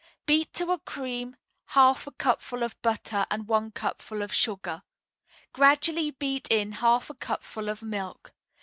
Beat to a cream half a cupful of butter and one cupful of sugar. Gradually beat in half a cupful of milk.